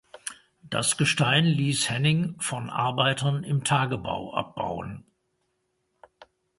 Das Gestein ließ Henning von Arbeitern im Tagebau abbauen.